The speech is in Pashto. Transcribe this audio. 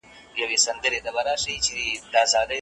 بدلونونه باید نوي او اغېزمن واوسي.